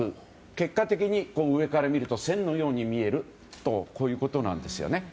結果的に上から見ると、線のように見えるということなんですね。